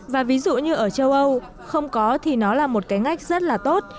và ví dụ như ở châu âu không có thì nó là một cái ngách rất là tốt